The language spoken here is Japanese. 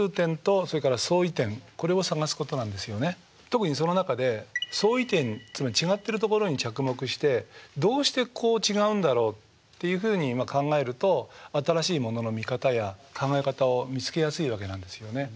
特にその中で相違点つまり違ってるところに着目してどうしてこう違うんだろう？っていうふうに考えると新しいものの見方や考え方を見つけやすいわけなんですよね。